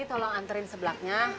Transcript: ini tolong anterin sebelahnya